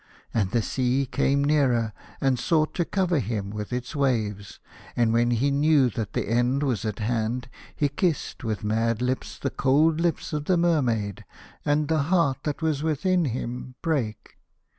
And the sea came nearer, and sought to cover him with its waves, and when he knew that the end was at hand he kissed with mad lips the cold lips of the Mermaid, and the heart that was within him brake.